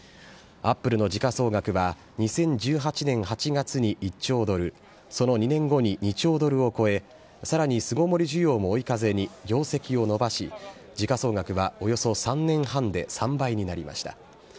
アップルの時価総額は、２０１８年８月に１兆ドル、その２年後に２兆ドルを超え、さらに巣ごもり需要も追い風に業績を伸ばし、時価総額はおよそ３年半で３倍になりました。